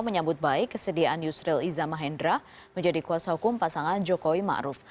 menyambut baik kesediaan yusril iza mahendra menjadi kuasa hukum pasangan jokowi ma'ruf